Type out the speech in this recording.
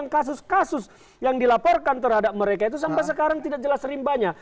kasus kasus yang dilaporkan terhadap mereka itu sampai sekarang tidak jelas rimbanya